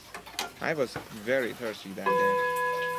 I was very thirsty that day.